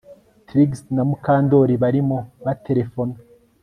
Trix na Mukandoli barimo baterefona